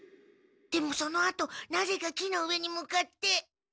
でもそのあとなぜか木の上に向かって。